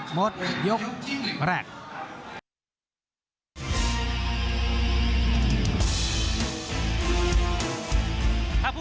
หมดยกแรก